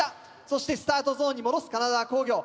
そしてスタートゾーンに戻す金沢工業。